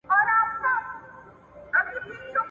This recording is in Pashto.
ولي ړوند سړی د ږیري سره ډېري مڼې خوري؟